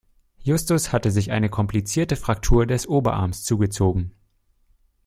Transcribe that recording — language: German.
Justus hatte sich eine komplizierte Fraktur des Oberarms zugezogen.